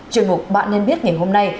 trường hợp bạn nên biết ngày hôm nay